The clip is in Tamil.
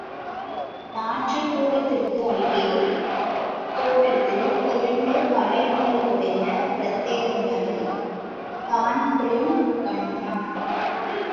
நாற்றுக் கூடத்திற்கு அருகே தோட்டத்தில் இரண்டு படை வீரருடைய பிரதேங்களைத் தான்பிரீன் கண்டான்.